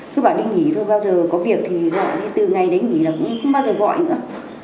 cứ bảo đi nghỉ thôi bao giờ có việc thì gọi đi từ ngày đấy nghỉ là cũng không bao giờ gọi nữa